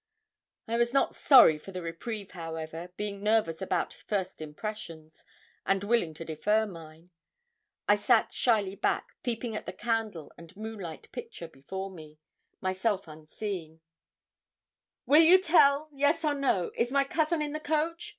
I was not sorry for the reprieve, however: being nervous about first impressions, and willing to defer mine, I sat shyly back, peeping at the candle and moonlight picture before me, myself unseen. 'Will you tell yes or no is my cousin in the coach?'